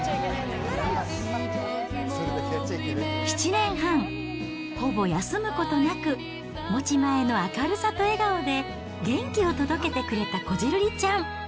７年半、ほぼ休むことなく、持ち前の明るさと笑顔で元気を届けてくれたこじるりちゃん。